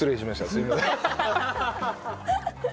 すいません。